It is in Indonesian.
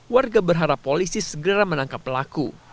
warga berharap polisi segera menangkap pelaku